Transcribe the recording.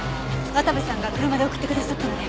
渡部さんが車で送ってくださったので。